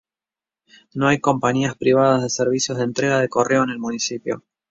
No hay compañías privadas de servicios de entrega de correo en el municipio.